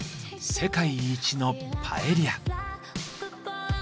「世界一のパエリア」。